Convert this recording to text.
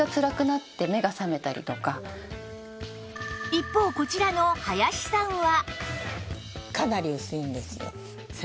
一方こちらの林さんは